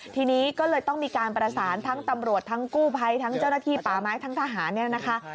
ทีนี้ก็เลยต้องมีการประสานทั้งตำรวจทั้งกู้ภัยทั้งเจ้าหน้าที่ป่าไม้ทั้งทหารเนี่ยนะคะ